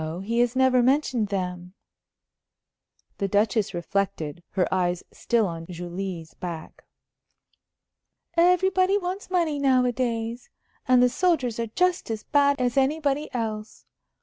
He has never mentioned them." The Duchess reflected, her eyes still on Julie's back. "Everybody wants money nowadays. And the soldiers are just as bad as anybody else.